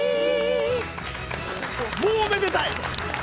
◆もうめでたい。